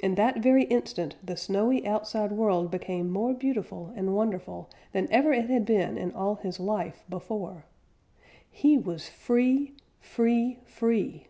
In that very instant the snowy outside world became more beautiful and wonderful than ever it had been in all his life before. He was free! free! free!